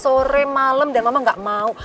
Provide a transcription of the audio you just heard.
sore malam dan mama gak mau